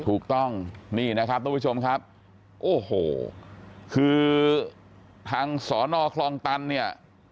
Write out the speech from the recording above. ถูกต้องนี่นะครับทุกผู้ชมครับโอ้โหคือทางสอนอคลองตันเนี่ย